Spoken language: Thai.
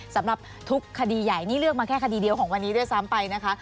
สำหรับทุกคดีใหญ่นี่เลือกมาแค่คดีเดียวของวันนี้ด้วยซ้ำไปนะคะ